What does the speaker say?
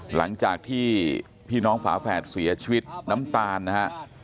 หลังจากที่พี่น้องฝาแฝดเสียชีวิตน้ำตาลนะฮะ